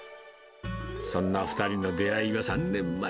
そんな２人の出会いは３年前。